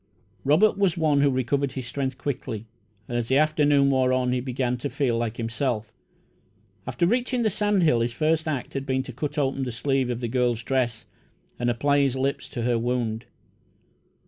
Robert was one who recovered his strength quickly, and as the afternoon wore on he began to feel like himself. After reaching the sand hill, his first act had been to cut open the sleeve of the girl's dress and apply his lips to her wound.